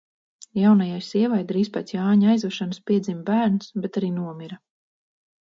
Jaunajai sievai, drīz pēc Jāņa aizvešanas piedzima bērns, bet arī nomira.